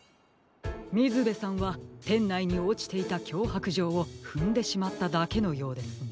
みずべさんはてんないにおちていたきょうはくじょうをふんでしまっただけのようですね。